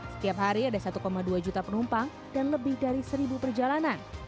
setiap hari ada satu dua juta penumpang dan lebih dari seribu perjalanan